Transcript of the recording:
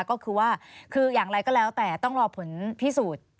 ก็คือว่าคืออย่างไรก็แล้วแต่ต้องรอผลพิสูจน์